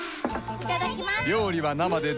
いただきます